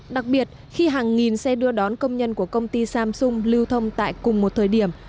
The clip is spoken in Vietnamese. đặc biệt khi hàng nghìn xe đưa đón công nhân của công ty samsung lưu thông tại cùng một thời điểm